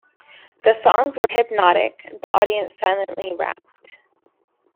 The songs were hypnotic, the audience silently rapt.